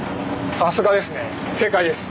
さすがですね正解です。